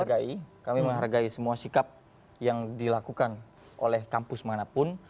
menghargai kami menghargai semua sikap yang dilakukan oleh kampus manapun